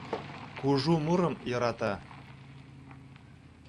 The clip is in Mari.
Кужу мурым йӧрата...